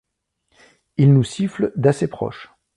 Ils nous sifflent d'assez proche.